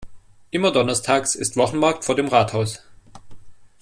Immer donnerstags ist Wochenmarkt vor dem Rathaus.